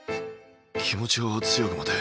気持ちを強く持て。